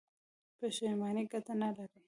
پښیماني ګټه نلري.